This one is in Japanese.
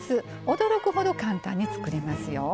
驚くほど簡単に作れますよ。